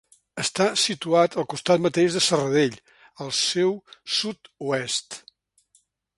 Està situat al costat mateix de Serradell, al seu sud-oest.